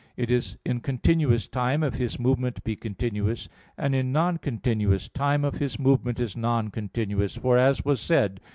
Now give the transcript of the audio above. It is in continuous time if his movement be continuous, and in non continuous time if his movement is non continuous for, as was said (A.